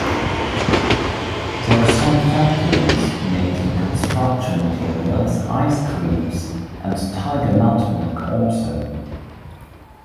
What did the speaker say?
There are some factories making construction materials, ice creams and tiger nut milk, also.